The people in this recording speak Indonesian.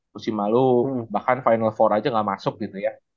musim malu bahkan final empat aja gak masuk gitu ya